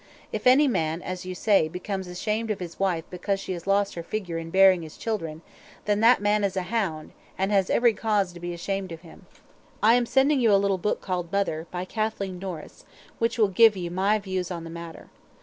If any man, as you say, becomes ashamed of his wife because she has lost her figure in bearing his children, then that man is a hound and has every cause to be ashamed of himself. I am sending you a little book called "Mother," by Kathleen Norris, which will give you my views on the matter.